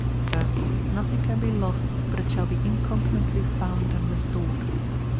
Thus nothing can be lost but it shall be incontinently found and restored."